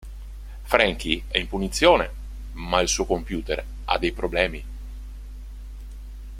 Franky è in punizione, ma il suo computer ha dei problemi.